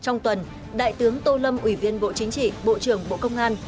trong tuần đại tướng tô lâm ủy viên bộ chính trị bộ trưởng bộ công an